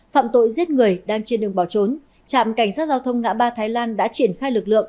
phạm tội giết người đang trên đường bỏ trốn trạm cảnh sát giao thông ngã ba thái lan đã triển khai lực lượng